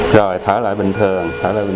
rồi thở lại bình thường